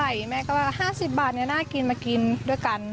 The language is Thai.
แม่ก็ว่า๕๐บาทเนี่ยน่ากินมากินด้วยกัน